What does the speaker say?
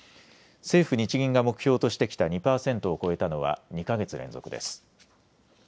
政府・日銀が目標としてきた２％を超えたのは２か月連続です。